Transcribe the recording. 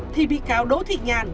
thì bị cáo đỗ thị nhàn